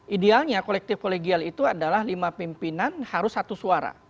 idealnya kolektif kolegial itu adalah lima pimpinan harus satu suara